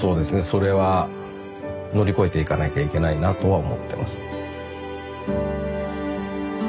それは乗り越えていかなきゃいけないなとは思ってますね。